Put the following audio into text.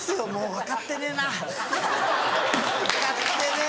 分かってねえ！